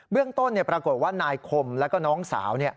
เรื่องต้นปรากฏว่านายคมแล้วก็น้องสาว